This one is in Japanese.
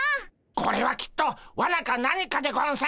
これはきっとわなか何かでゴンス。